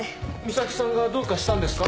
岬さんがどうかしたんですか？